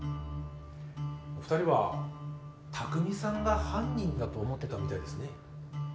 お二人は拓未さんが犯人だと思ってたみたいですね。